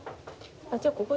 ああ。